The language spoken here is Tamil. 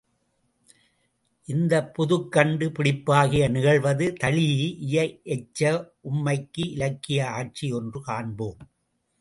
இந்தப் புதுக் கண்டு பிடிப்பாகிய நிகழ்வது தழீ இய எச்ச உம்மைக்கு இலக்கிய ஆட்சி ஒன்று காண்போம்.